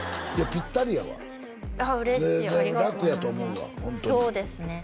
ピッタリやわああ嬉しい楽やと思うわホントにそうですね